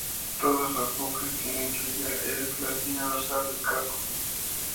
Todos los buques tienen quilla, que es la espina dorsal del casco.